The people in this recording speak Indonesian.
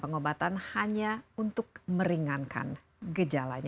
pengobatan hanya untuk meringankan gejalanya